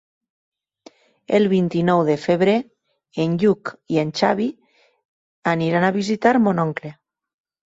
El vint-i-nou de febrer en Lluc i en Xavi iran a visitar mon oncle.